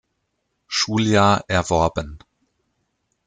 Schuljahr erworben.